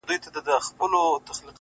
اوس مي حافظه ډيره قوي گلي’